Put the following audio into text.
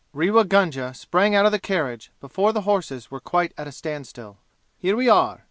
Rewa Gunga sprang out of the carriage before the horses were quite at a standstill. "Here we are!"